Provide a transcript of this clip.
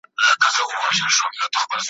په هفتو کي یې آرام نه وو لیدلی `